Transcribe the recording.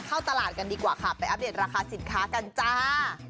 เข้าตลาดกันดีกว่าค่ะไปอัปเดตราคาสินค้ากันจ้า